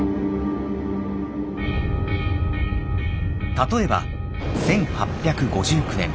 例えば１８５９年。